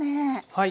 はい。